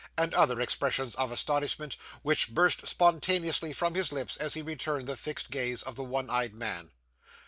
and other expressions of astonishment which burst spontaneously from his lips, as he returned the fixed gaze of the one eyed man.